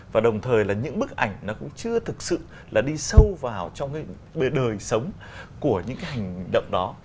và đồng thời là những bức ảnh nó cũng chưa thực sự là đi sâu vào trong cái đời sống của những cái hành động đó